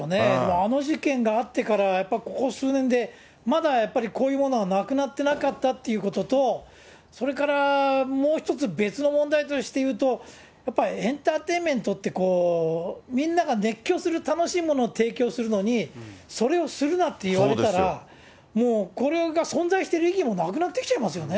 あの事件があってから、やっぱりここ数年で、まだやっぱりこういうものがなくなってなかったっていうことと、それからもう一つ、別の問題として言うと、やっぱりエンターテインメントってみんなが熱狂する、楽しいものを提供するのに、それをするなって言われたら、もうこれが存在している意義もなくなってきちゃいますよね。